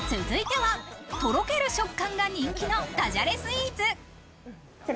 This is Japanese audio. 続いては、とろける食感が人気のダジャレスイーツ。